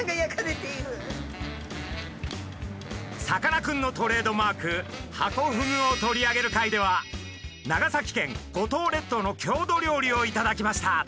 さかなクンのトレードマークハコフグを取り上げる回では長崎県五島列島の郷土料理を頂きました。